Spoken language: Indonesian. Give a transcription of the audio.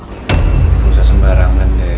gak usah sembarangan deh